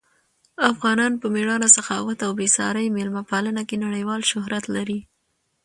افغانان په مېړانه، سخاوت او بې ساري مېلمه پالنه کې نړیوال شهرت لري.